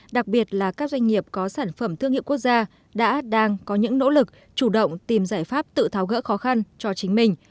đặc biệt là các doanh nghiệp có sản phẩm thương hiệu quốc gia đã đang có những nỗ lực chủ động tìm giải pháp tự tháo gỡ khó khăn cho chính mình